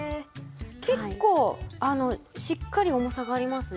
結構しっかり重さがありますね。